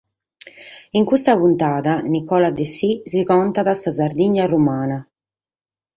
In custa puntada Nicola Dessì nos contat sa Sardigna Romana.